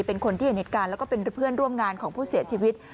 เป็นคนที่เห็นเหตุการณ์แล้วก็เป็นเพื่อนร่วมงานของผู้เสียชีวิต